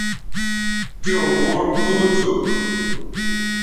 تیوں گوٹ کُو تھو